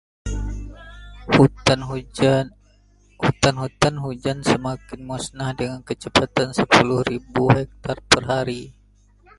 Hutan-hutan hujan semakin musnah dengan kecepatan sepuluh ribu hektar per hari.